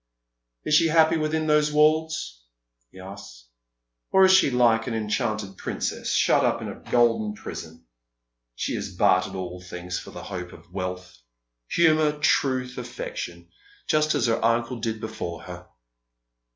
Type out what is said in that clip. " Is she happy within those walls ?" he asks, " or is she like an enchanted princess shut up in a golden prison? She has bartered all things for the hope of wealth — honour, truth, afEec tion — just as her uncle did before her."